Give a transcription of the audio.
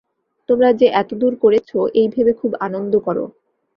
তোমরা যে এতদূর করেছ, এই ভেবে খুব আনন্দ কর।